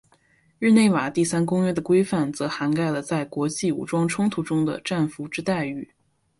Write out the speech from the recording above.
日内瓦第三公约的规范则涵盖了在国际武装冲突中的战俘之待遇。